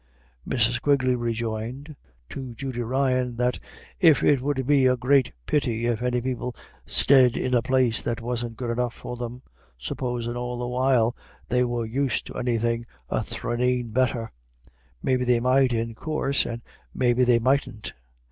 Mrs. Quigley rejoined (to Judy Ryan) that "it would be a great pity if any people sted in a place that wasn't good enough for them, supposin' all the while they was used to anythin' a thraneen better maybe they might, in coorse, and maybe they mightn't.